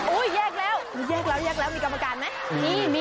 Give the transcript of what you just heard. อุ๊ยแยกแล้วมีกรรมการไหม